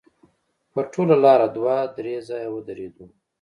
په ټوله لاره دوه درې ځایه ودرېدو.